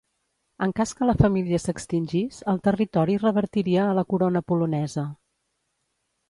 En cas que la família s'extingís, el territori revertiria a la Corona polonesa.